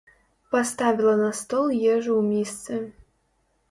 Паставіла на стол ежу ў місцы.